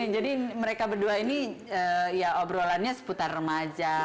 jadi mereka berdua ini ya obrolannya seputar remaja